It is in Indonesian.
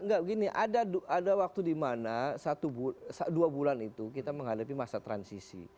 enggak begini ada waktu di mana satu dua bulan itu kita menghadapi masa transisi